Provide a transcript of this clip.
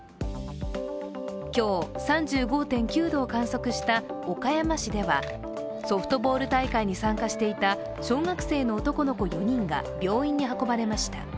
今日、３５．９度を観測した岡山市ではソフトボール大会に参加していた小学生の男の子４人が病院に運ばれました。